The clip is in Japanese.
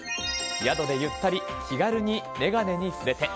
宿でゆったり気軽にめがねに触れて。